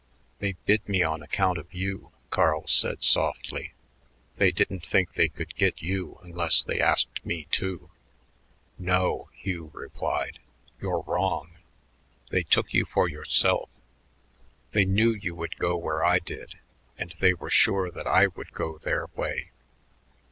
"They bid me on account of you," Carl said softly. "They didn't think they could get you unless they asked me, too." "No," Hugh replied, "you're wrong. They took you for yourself. They knew you would go where I did, and they were sure that I would go their way."